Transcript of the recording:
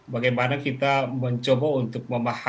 bagaimana kita mencoba untuk memahami